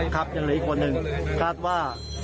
ครับยังเหลืออีกคนหนึ่ง